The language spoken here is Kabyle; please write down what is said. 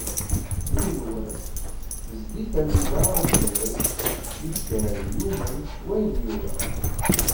"Yiwen wass", d tizlit anida amedyaz yedder, yumen s wayen yura.